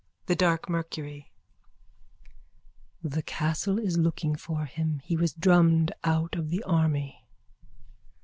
_ THE DARK MERCURY: The Castle is looking for him. He was drummed out of the army.